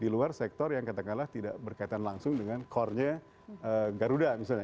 di luar sektor yang katakanlah tidak berkaitan langsung dengan core nya garuda misalnya